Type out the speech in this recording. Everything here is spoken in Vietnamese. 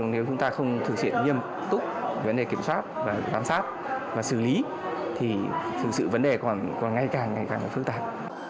nếu chúng ta không thực hiện nghiêm túc vấn đề kiểm soát và giám sát và xử lý thì thực sự vấn đề còn ngay càng ngày càng phức tạp